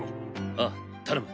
ああ頼む。